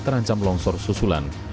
terancam longsor susulan